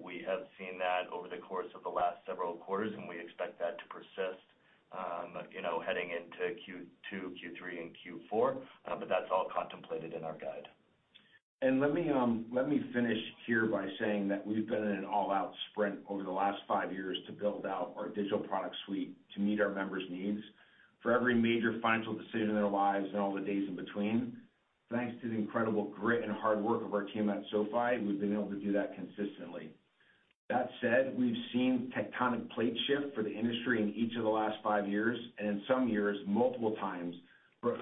We have seen that over the course of the last several quarters, and we expect that to persist, you know, heading into Q2, Q3, and Q4. That's all contemplated in our guide. Let me finish here by saying that we've been in an all-out sprint over the last five years to build out our digital product suite to meet our members' needs for every major financial decision in their lives and all the days in between. Thanks to the incredible grit and hard work of our team at SoFi, we've been able to do that consistently. That said, we've seen tectonic plate shift for the industry in each of the last five years, and in some years, multiple times.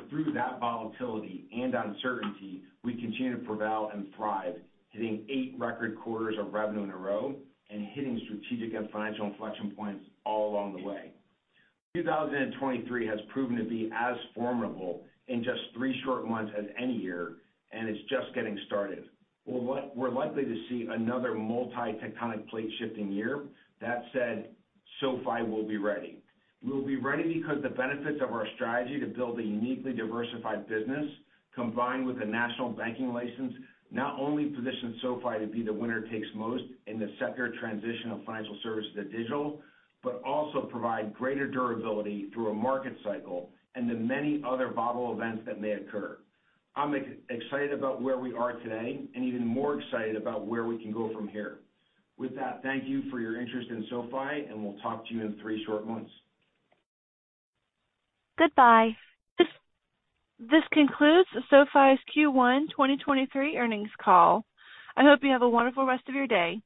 Through that volatility and uncertainty, we continue to prevail and thrive, hitting eight record quarters of revenue in a row and hitting strategic and financial inflection points all along the way. 2023 has proven to be as formidable in just three short months as any year, and it's just getting started. We're likely to see another multi-tectonic plate shifting year. That said, SoFi will be ready. We'll be ready because the benefits of our strategy to build a uniquely diversified business combined with a national banking license not only positions SoFi to be the winner takes most in the secular transition of financial services to digital, but also provide greater durability through a market cycle and the many other volatile events that may occur. I'm excited about where we are today and even more excited about where we can go from here. With that, thank you for your interest in SoFi, and we'll talk to you in three short months. Goodbye. This concludes SoFi's Q1 2023 earnings call. I hope you have a wonderful rest of your day.